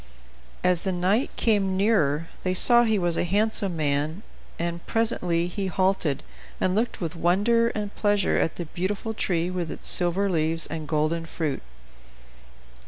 As the knight came nearer they saw he was a handsome man; and presently he halted, and looked with wonder and pleasure at the beautiful tree with its silver leaves and golden fruit.